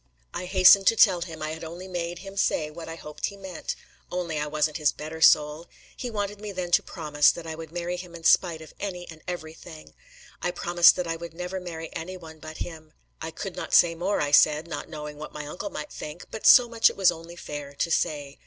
I hastened to tell him I had only made him say what I hoped he meant only I wasn't his better soul. He wanted me then to promise that I would marry him in spite of any and every thing. I promised that I would never marry any one but him. I could not say more, I said, not knowing what my uncle might think, but so much it was only fair to say.